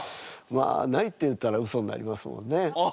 まあないって言ったらウソになりますもんね。